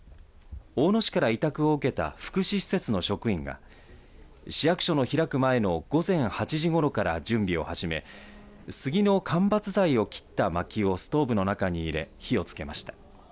大野市から委託を受けた福祉施設の職員が市役所の開く前の午前８時ごろから準備を始め杉の間伐材を切ったまきをストーブの中に入れ火をつけました。